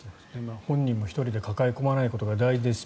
本人も１人で抱え込まないことが大事です。